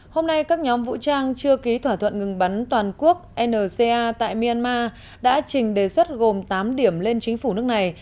hôm nay các nhóm vũ trang chưa ký thỏa thuận ngừng bắn toàn quốc nca tại myanmar đã trình đề xuất gồm tám điểm lên chính phủ nước này